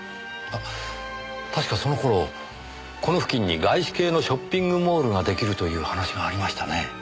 あ確かその頃この付近に外資系のショッピングモールが出来るという話がありましたね。